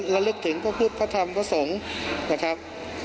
และลึกถึงพระพุทธพระธรรมพระสงฆ์